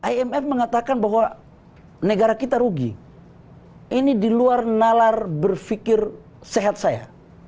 imf mengatakan bahwa negara kita rugi ini di luar nalar berpikir sehat saya